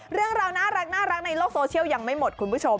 เรื่องราวน่ารักในโลกโซเชียลยังไม่หมดคุณผู้ชม